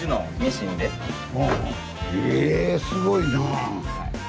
えすごいな！